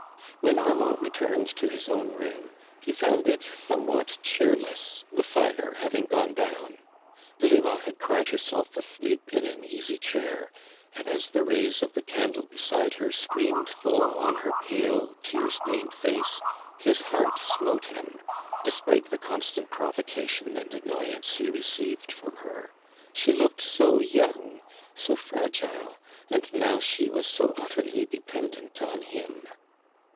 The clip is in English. When Armand returned to his own room, ho found it somewhat cheerless, the tire having gone down. Delima hud cried her self asleep in an easy chair, and as the rays of the candle beside her streamed full on her pale, tear stained face, his heart smote him, despite the constant provocation and annoyance he received from her. 81ie looked so young, so fragile, ami now she was so utterly dependent on him.